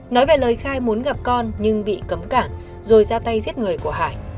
nói về lời khai muốn gặp con nhưng bị cấm cả rồi ra tay giết người của hải